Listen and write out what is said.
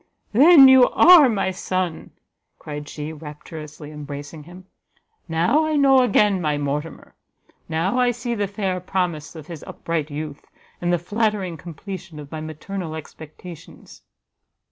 "Then you are my son!" cried she, rapturously embracing him; "now I know again my Mortimer! now I see the fair promise of his upright youth, and the flattering completion of my maternal expectations!"